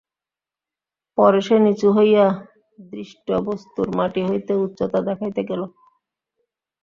পরে সে নিচু হইয়া দৃষ্ট বস্তুর মাটি হইতে উচ্চতা দেখাইতে গেল।